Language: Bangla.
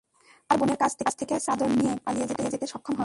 তার বোনের কাছ থেকে চাদর নিয়ে পরে পালিয়ে যেতে সক্ষম হয়।